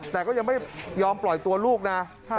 แต่ก็ยังไม่ยอมปล่อยตัวลูกนะ